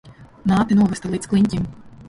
Māte novesta līdz kliņķim.